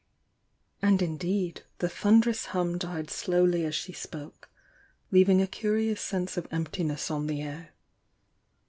And indeed the thunderous hum died slowly away as she spoke, leaving a curious sense of emptiness on the air.